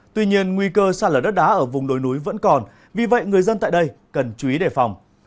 tuy nhiên nguy cơ sạt lở đất đá ở vùng đồi núi vẫn còn vì vậy người dân tại đây cần chú ý đề phòng